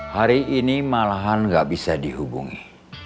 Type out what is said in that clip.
hari ini malahan gak bisa dihubungi